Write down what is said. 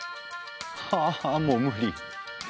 ははあもう無理！